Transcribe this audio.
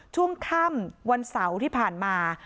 ช่วงค่ำวันเสาร์ที่ผ่านมา